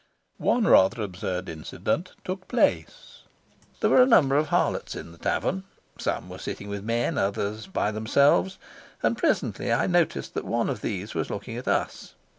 One rather absurd incident took place. There were a number of harlots in the tavern: some were sitting with men, others by themselves; and presently I noticed that one of these was looking at us.